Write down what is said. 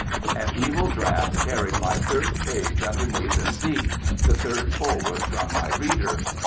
An evil draught carried my third page underneath a seat, the third forward from my reader.